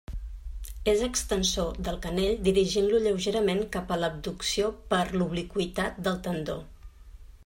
És extensor del canell dirigint-lo lleugerament cap a l'abducció per l'obliqüitat del tendó.